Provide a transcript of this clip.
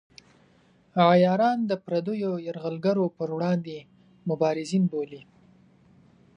عیاران د پردیو یرغلګرو پر وړاندې مبارزین بولي.